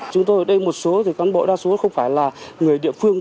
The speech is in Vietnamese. chúng tôi ở đây một số cán bộ đa số không phải là người địa phương